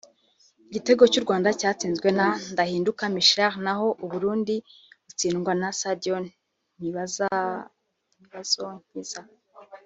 Igitego cy’u Rwanda cyatsinzwe na Ndahinduka Michel naho u Burundi butsindirwa na Saido Ntibazonkiza